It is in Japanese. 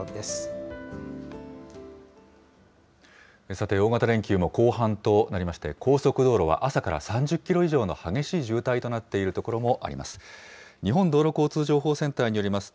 さて、大型連休も後半となりまして、高速道路は朝から３０キロ以上の激しい渋滞となっている所もあります。